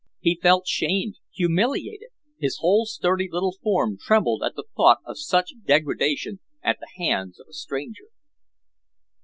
He felt shamed, humiliated. His whole sturdy little form trembled at the thought of such degradation at the hands of a stranger....